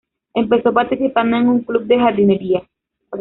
Empezó participando en un club de jardinería.